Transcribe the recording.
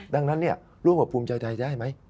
ดังนั้นร่วมกับภูมิใจไทยได้ไหม